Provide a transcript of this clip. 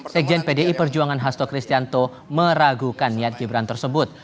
sekjen pdi perjuangan hasto kristianto meragukan niat gibran tersebut